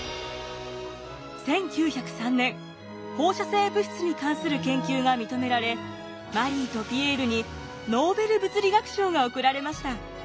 １９０３年放射性物質に関する研究が認められマリーとピエールにノーベル物理学賞が贈られました。